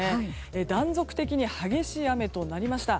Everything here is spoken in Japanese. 断続的に激しい雨となりました。